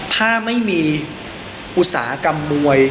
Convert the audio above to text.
ถ้าไม่มีอุตสาหกรรมมวย